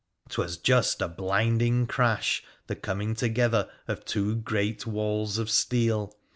'Twas just a blinding crash, the comin together of two great walls of steel